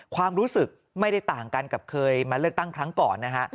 ความรู้สึกไม่ได้ต่างกันกับเคยมาเลือกตั้งครั้งก่อนนะฮะ